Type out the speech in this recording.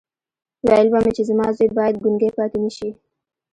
ويل به مې چې زما زوی بايد ګونګی پاتې نه شي.